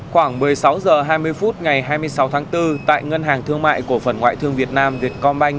khoảng một mươi sáu h hai mươi phút ngày hai mươi sáu tháng bốn tại ngân hàng thương mại cổ phần ngoại thương việt nam việt công banh